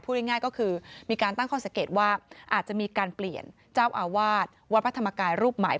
ง่ายก็คือมีการตั้งข้อสังเกตว่าอาจจะมีการเปลี่ยนเจ้าอาวาสวัดพระธรรมกายรูปใหม่